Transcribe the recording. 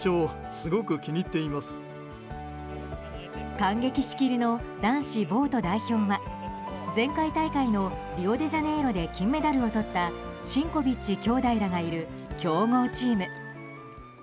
感激しきりの男子ボート代表は前回大会のリオデジャネイロで金メダルを取ったシンコビッチ兄弟らがいる強豪チーム。